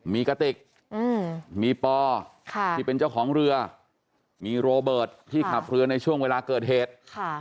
มีกระติกมีปอที่เป็นเจ้าของเรือมีโรเบิร์ตที่ขับเรือในช่วงเวลาเกิดเหตุ